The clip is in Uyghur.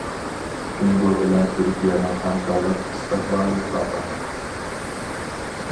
جۇڭگو بىلەن تۈركىيەنىڭ ھەمكارلىق ئىستىقبالى پارلاق.